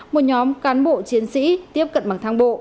một nhóm cán bộ chiến sĩ tiếp cận bằng thang bộ